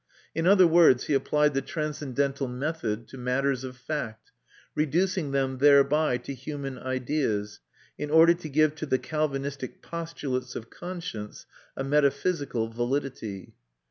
In other words, he applied the transcendental method to matters of fact, reducing them thereby to human ideas, in order to give to the Calvinistic postulates of conscience a metaphysical validity.